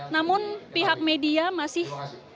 namun pihak media masih